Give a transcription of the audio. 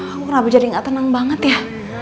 aku rabu jadi gak tenang banget ya